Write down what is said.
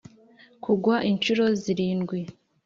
kugwa inshuro zirindwi,